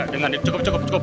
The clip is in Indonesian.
dengan itu cukup cukup cukup